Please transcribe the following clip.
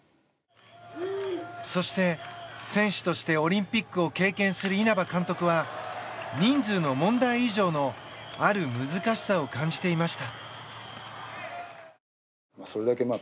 そして、選手としてオリンピックを経験する稲葉監督は人数の問題以上のある難しさを感じていました。